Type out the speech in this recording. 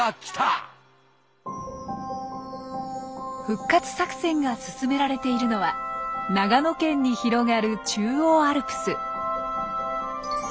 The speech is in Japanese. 復活作戦が進められているのは長野県に広がる中央アルプス。